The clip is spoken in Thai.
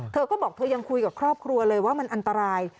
เธอก็บอกเธอยังคุยกับครอบครัวเลยว่ามันอันตราย